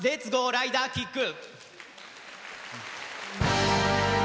ライダーキック」。